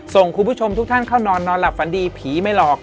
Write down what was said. ส่งคุณผู้ชมทุกท่านเข้านอนนอนหลับฝันดีผีไม่หลอก